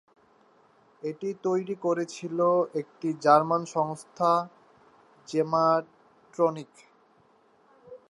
এটি তৈরি করেছিল একটি জার্মান সংস্থা, জেম্যাট্রোনিক।